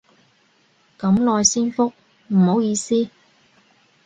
咁耐先覆，唔好意思